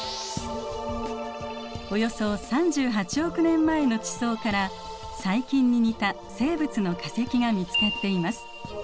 およそ３８億年前の地層から細菌に似た生物の化石が見つかっています。